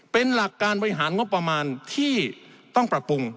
เป็นหลักการบริหารงบประมาณที่ต้องปรับปรุง